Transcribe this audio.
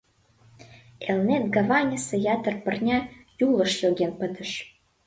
Элнет гаваньысе ятыр пырня Юлыш йоген пытыш.